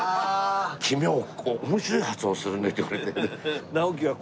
「君面白い発音するね」って言われて。